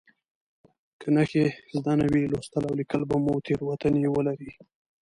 که نښې زده نه وي لوستل او لیکل به مو تېروتنې ولري.